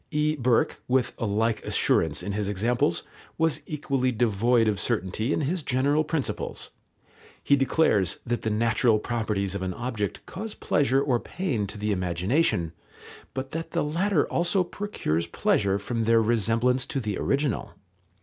E. Burke, with a like assurance in his examples, was equally devoid of certainty in his general principles. He declares that the natural properties of an object cause pleasure or pain to the imagination, but that the latter also procures pleasure from their resemblance to the original.